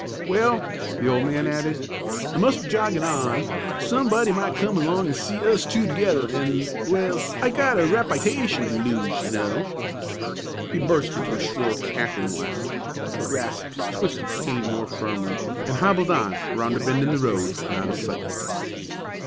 "Well," the old man added, "I must be joggin' on. Somebody might come along an' see us two together, an' well, I've got a reppytation to lose, ye know." He burst into a shrill cackling laugh, grasped his twisted cane more firmly, and hobbled on around a bend in the road and out of sight.